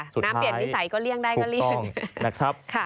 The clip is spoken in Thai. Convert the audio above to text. สุดท้ายถูกต้องนะครับน้ำเปลี่ยนวิสัยก็เลี่ยงได้